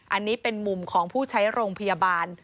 อันนี้เป็นมุมของผู้ใช้โรงพยาบาล